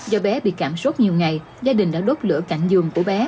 do bé bị cảm xúc nhiều ngày gia đình đã đốt lửa cạnh giường của bé